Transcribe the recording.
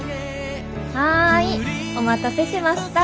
はいお待たせしました。